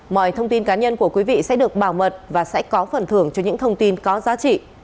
mọi thông tin cá nhân của quý vị sẽ được bảo mật và sẽ có phần thưởng cho những thông tin có giá trị